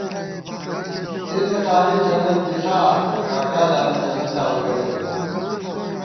زِنی قاری جنت دِݪا ، ڈاکا دامی جنتاں ووئېتہ نئ